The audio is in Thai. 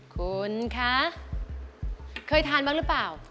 คุณคะเคยทานบ้างหรือเปล่า